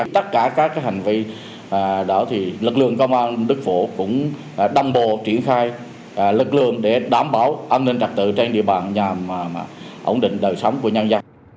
tất cả các hành vi đó thì lực lượng công an đức phủ cũng đâm bồ triển khai lực lượng để đảm bảo an ninh trật tự trên địa bàn nhằm ổn định đời sống của nhân dân